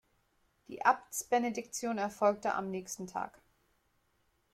Die Abtsbenediktion erfolgte am nächsten Tag.